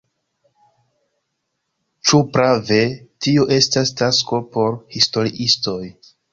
Ĉu prave, tio estas tasko por historiistoj.